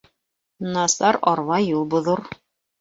Насар арба юл боҙор